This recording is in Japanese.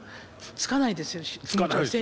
つかないですよね。